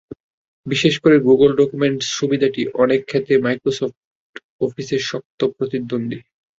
বিশেষ করে Google documents সুবিধাটি অনেক ক্ষেত্রেই মাইক্রোসফট অফিসের শক্ত প্রতিদ্বন্দ্বী।